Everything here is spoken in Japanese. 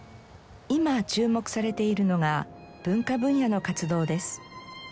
今注目されているのが文化分野の活動です。